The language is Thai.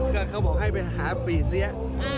แล้วเค้าบอกให้ไปหาปีเสีย